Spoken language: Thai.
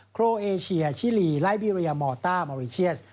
โครเอเชียชิลีไลบีเรียมอต้ามอริเชียส